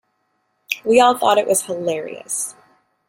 We all thought it was hilarious.